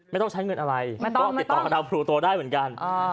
ไม่ต้องใช้เงินอะไรก็ติดต่อกับดาวพลูโตได้เหมือนกัน